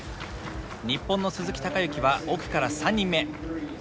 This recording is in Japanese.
日本の鈴木孝幸は奥から３人目。